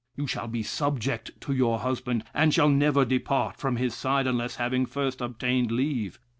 You shall be subject to your husband, and shall never depart from his side unless having first obtained leave.